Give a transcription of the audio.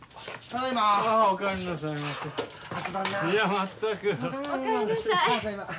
ただいま。